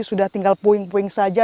sudah tinggal puing puing saja